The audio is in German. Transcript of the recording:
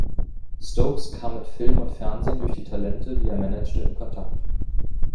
Stokes kam mit Film und Fernsehen durch die Talente, die er managte, in Kontakt.